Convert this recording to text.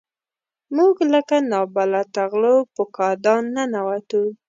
موږ لکه نابلده غلو په کادان ننوتو.